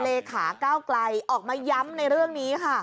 เลขาเก้าไกลออกมาย้ำในเรื่องนี้ค่ะ